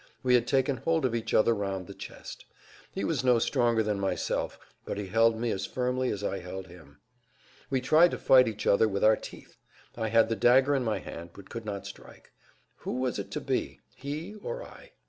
We had taken hold of each other round the chest. He was no stronger than myself, but he held me as firmly as I held him. We tried to fight each other with our teeth. I had the dagger in my hand, but could not strike. Who was it to be? He or I?